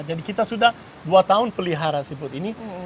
jadi kita sudah dua tahun pelihara siput ini